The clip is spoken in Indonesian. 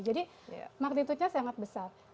jadi magnitude nya sangat besar